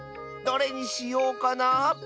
どれにしようかな？